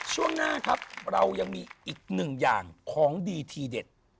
ช่วงหน้าครับเรายังมีอีกหนึ่งอย่างของดีทีเด็ด